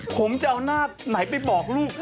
ผมจะเอาหน้าไหนไปบอกลูก